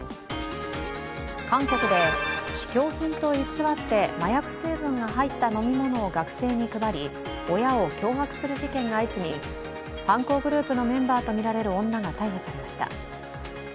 韓国で試供品と偽って麻薬成分が入った飲み物を学生に配り、親を脅迫する事件が相次ぎ、犯行グループのメンバーとみられう女が逮捕されました。